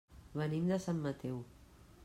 Venim de Sant Mateu.